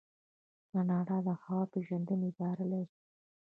کاناډا د هوا پیژندنې اداره لري.